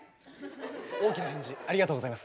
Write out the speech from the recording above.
大きな返事ありがとうございます。